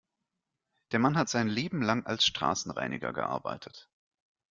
Der Mann hat sein Leben lang als Straßenreiniger gearbeitet.